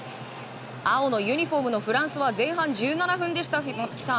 青のユニホームのフランスは前半１７分でした、松木さん。